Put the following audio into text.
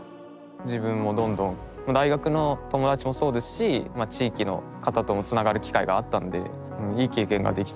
自分もどんどん大学の友達もそうですし地域の方ともつながる機会があったのでいい経験ができたなと思います。